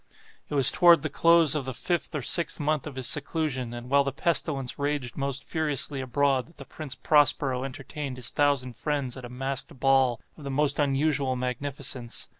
It was toward the close of the fifth or sixth month of his seclusion, and while the pestilence raged most furiously abroad, that the Prince Prospero entertained his thousand friends at a masked ball of the most unusual magnificence.